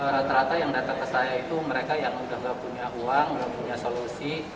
rata rata yang datang ke saya itu mereka yang udah nggak punya uang nggak punya solusi